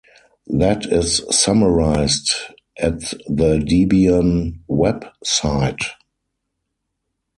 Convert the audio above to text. That is summarized at the Debian web site.